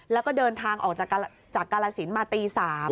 แล้วก็เดินทางออกจากกาลสินมาตี๓